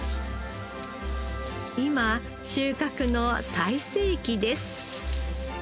今収穫の最盛期です。